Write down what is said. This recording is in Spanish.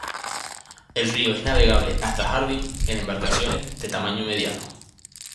El río es navegable hasta Harbin, en embarcaciones de tamaño mediano.